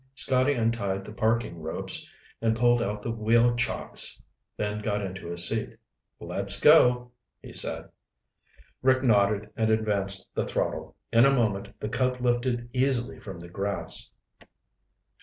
Scotty untied the parking ropes and pulled out the wheel chocks, then got into his seat. "Let's go," he said. Rick nodded and advanced the throttle. In a moment the Cub lifted easily from the grass.